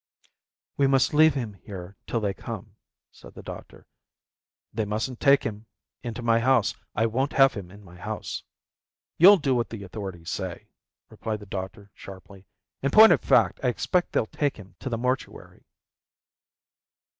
"We must leave him here till they come," said the doctor. "They mustn't take him into my house. I won't have him in my house." "You'll do what the authorities say," replied the doctor sharply. "In point of fact I expect they'll take him to the mortuary."